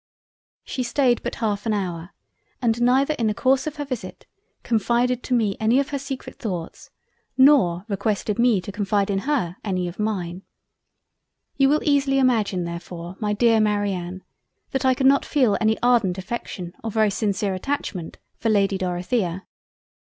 She staid but half an hour and neither in the Course of her Visit, confided to me any of her secret thoughts, nor requested me to confide in her, any of Mine. You will easily imagine therefore my Dear Marianne that I could not feel any ardent affection or very sincere Attachment for Lady Dorothea.